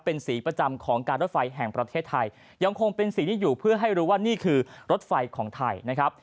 เป็นสีประจำของการรถไฟแห่งประเทศไทยยังคงเป็นสีที่อยู่เพื่อให้รู้ว่านี่คือรถไฟของไทยนะครับ